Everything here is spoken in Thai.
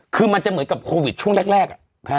คือมันจะเหมือนกับโควิดช่วงแรกอะ